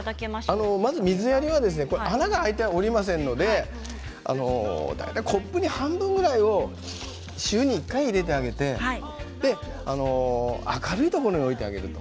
水やりはね穴が開いていないのでコップに半分ぐらいを週に１回入れてあげて明るいところに置いてあげると。